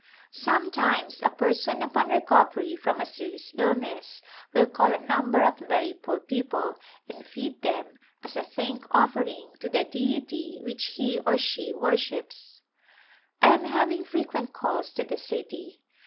Some times a person upon recovery from a serious illness will call a number of very poor people and feed them as a thank offering to the deity which he or she wor ships. I am having frequent calls to the city.